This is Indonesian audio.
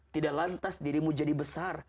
tidak lantas dirimu jadi besar